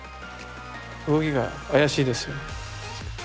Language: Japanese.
動きが怪しいですよ。